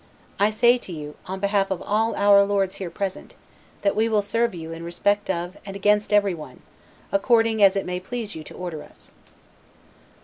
I say to you, on behalf of all our lords here present, that we will serve you in respect of and against every one, according as it may please you to order us."